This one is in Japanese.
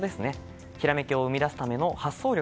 ひらめきを生み出すための発想力。